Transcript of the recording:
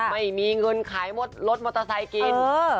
ไม่มีเงินขายรถมอเตอร์ไซค์กิน